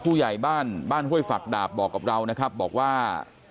ผู้ใหญ่บ้านห้วยฝักดาบบอกกับเราก็บอกว่า